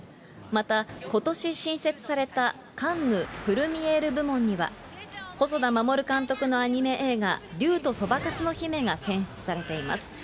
またことし新設されたカンヌ・プルミエール部門には、細田守監督のアニメ映画、竜とそばかすの姫が選出されています。